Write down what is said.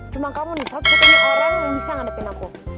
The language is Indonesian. cuma kamu nih takut ini orang yang bisa ngadepin aku